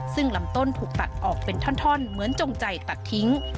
ซึ่งลำต้นถูกตัดออกเป็นท่อนเหมือนจงใจตัดทิ้ง